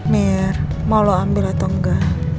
mir mau lo ambil atau enggak